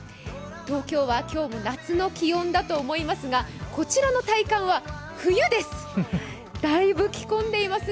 東京は今日も夏の気温だと思いますがこちらの体感は冬です！